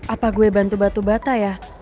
apa gue bantu batu batu bata ya